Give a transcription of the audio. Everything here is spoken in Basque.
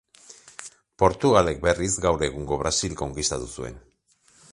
Portugalek, berriz, gaur egungo Brasil konkistatu zuen.